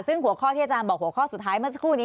ซึ่งหัวข้อที่อาจารย์บอกสุดท้ายเมื่อสกูรุ่นนี้